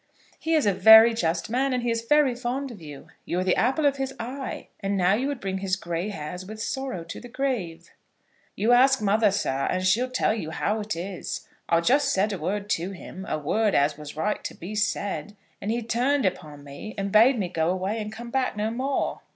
"He is a very just man, and he is very fond of you. You are the apple of his eye, and now you would bring his gray hairs with sorrow to the grave." "You ask mother, sir, and she'll tell you how it is. I just said a word to him, a word as was right to be said, and he turned upon me, and bade me go away and come back no more."